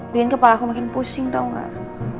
biarin kepala aku makin pusing tau gak